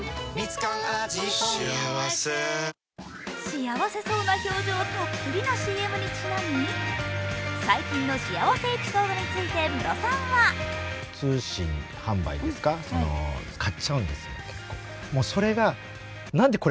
幸せそうな表情たっぷりのＣＭにちなみ最近の幸せエピソードについてムロさんは映画ファンが選ぶ今本当に面白い作品は？